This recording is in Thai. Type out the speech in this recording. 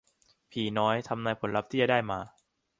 ผีน้อย ทำนายผลลัพท์ที่จะได้มา